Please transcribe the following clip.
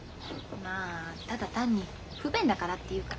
まあただ単に不便だからっていうか。